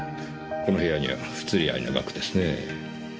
この部屋には不釣合いな額ですねぇ。